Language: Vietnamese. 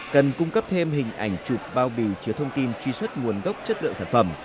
cần cung cấp thêm hình ảnh chụp bao bì chứa thông tin truy xuất nguồn gốc chất lượng sản phẩm